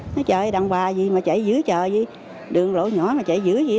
nói trời đằng bà gì mà chạy dưới trời gì đường lỗ nhỏ mà chạy dưới gì